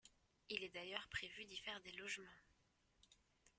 Il est d'ailleurs prévu d'y faire des logements.